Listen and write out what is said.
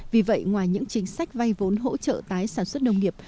vì vậy ngoài những chính sách vay vốn hỗ trợ tái sản xuất nông nghiệp